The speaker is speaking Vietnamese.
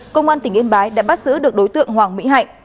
công an tỉnh yên bái đã bắt giữ được đối tượng hoàng mỹ hạnh